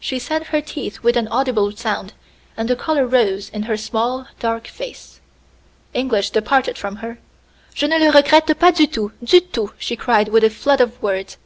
She set her teeth with an audible sound, and the color rose in her small, dark face. English departed from her. "Je ne le regrette pas du tout, du tout!" she cried with a flood of words.